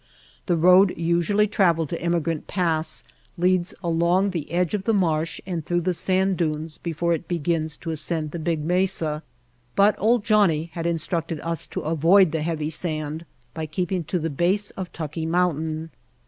The road usually traveled to Emigrant Pass leads along the edge of the marsh and through the sand dunes before it begins to ascend the big mesa, but "Old Johnnie" had instructed us to avoid the heavy sand by keeping to the base of Tucki The Dry Camp Mountain.